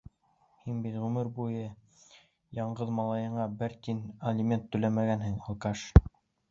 Һин бит ғүмер буйы яңғыҙ малайыңа бер тин алимент та түләмәнең, алкаш!